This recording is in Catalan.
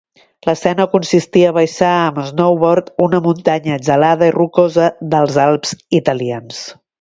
L'escena consistia a baixar amb snowboard una muntanya gelada i rocosa dels Alps Italians.